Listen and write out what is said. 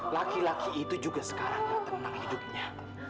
laki laki itu juga sekarang tak tenang hidupnya